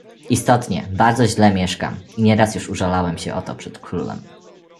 "Istotnie, bardzo źle mieszkam i nieraz już użalałem się o to przed królem."